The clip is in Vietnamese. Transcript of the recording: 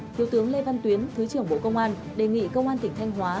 thiếu tướng lê văn tuyến thứ trưởng bộ công an đề nghị công an tỉnh thanh hóa